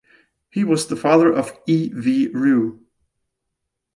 He was the father of E. V. Rieu.